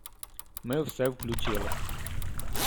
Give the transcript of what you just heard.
ми все включили.